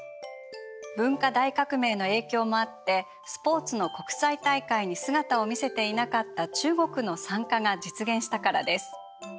文化大革命の影響もあってスポーツの国際大会に姿を見せていなかった中国の参加が実現したからです。